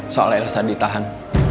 soal elsa ditahan